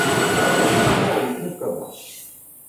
На добрую справу не шкада!